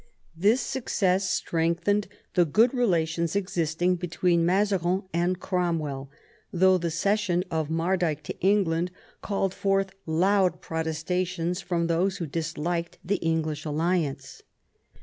This success strengthened the good relations existing between Mazarin and Cromwell, though the cession of Mardyke to England called forth loud protestations from those who disliked the English alliance.